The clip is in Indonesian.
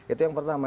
itu yang pertama